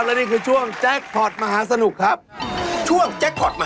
เลข๒ออกมาเป็น